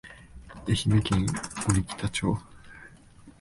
愛媛県鬼北町